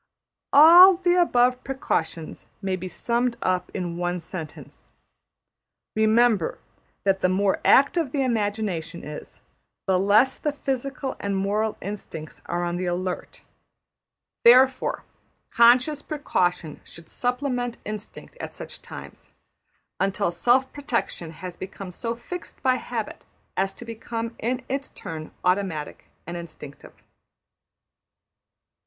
All the above precautions may be summed up in one sentence: Remember that the more active the imagination is, the less the physical and moral instincts are on the alert; therefore, conscious precaution should supplement instinct at such times, until self protection has become so fixed by habit as to become in its turn automatic and instinctive.